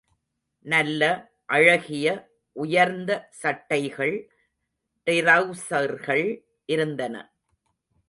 நல்ல, அழகிய, உயர்ந்த சட்டைகள், ட்ரவுசர்கள் இருந்தன.